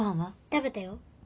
食べたよ。